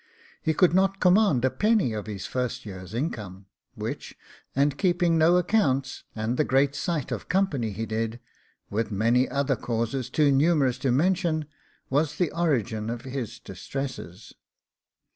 He could not command a penny of his first year's income, which, and keeping no accounts, and the great sight of company he did, with many other causes too numerous to mention, was the origin of his distresses.